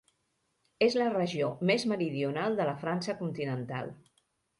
És la regió més meridional de la França continental.